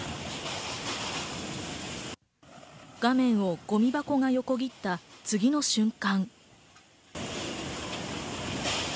画面をごみ箱が横切った次の瞬間。